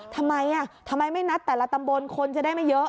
ทำไมทำไมไม่นัดแต่ละตำบลคนจะได้ไม่เยอะ